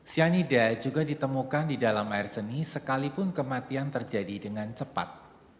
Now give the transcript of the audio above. cyanida juga ditemukan di dalam air seni sekalipun kematian terjadi dengan cepat